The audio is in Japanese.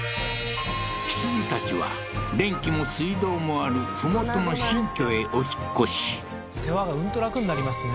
羊たちは電気も水道もある麓の新居へお引っ越し世話がうんと楽になりますね